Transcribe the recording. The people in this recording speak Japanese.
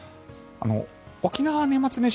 沖縄は年末年始